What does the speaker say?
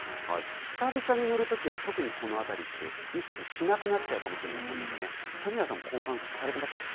久々に乗るときは、特にこのあたりは意識しなくなっちゃうかもしれませんので谷原さんも交換されてますか。